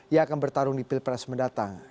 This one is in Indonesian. yang akan bertarung di pilpres mendatang